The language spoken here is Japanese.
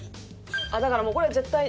だからもうこれは絶対。